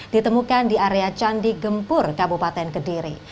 ditemukan di area candi gempur kabupaten kediri